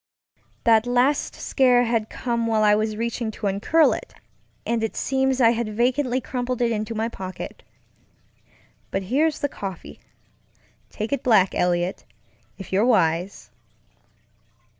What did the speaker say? That last scare had come while I was reaching to uncurl it, and it seems I had vacantly crumpled it into my pocket. But here's the coffeeŌĆötake it black, Eliot, if you're wise.